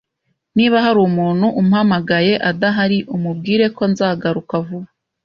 Niba hari umuntu umpamagaye adahari, umubwire ko nzagaruka vuba